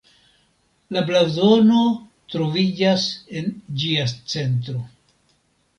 La blazono troviĝas en ĝia centro.